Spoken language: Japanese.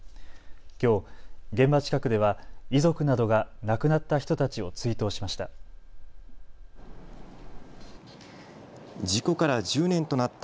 きょう現場近くでは遺族などが亡くなった人たちを追悼しました。